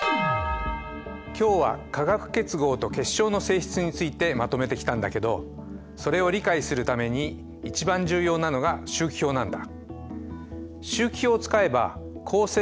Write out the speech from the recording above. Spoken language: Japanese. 今日は化学結合と結晶の性質についてまとめてきたんだけどそれを理解するために一番重要なのが周期表なんだ。